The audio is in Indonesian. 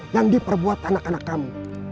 yang di perbuat anak anakmu